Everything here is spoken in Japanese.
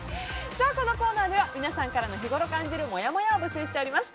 このコーナーでは皆さんからの日ごろ感じるもやもやを募集しております。